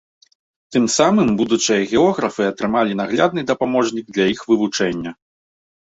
Тым самым будучыя географы атрымалі наглядны дапаможнік для іх вывучэння.